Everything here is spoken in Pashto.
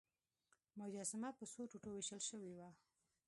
مجسمه په څو ټوټو ویشل شوې وه.